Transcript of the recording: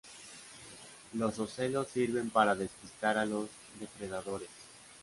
Los ocelos sirven para despistar a los depredadores.